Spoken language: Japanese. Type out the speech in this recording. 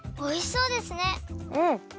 うん！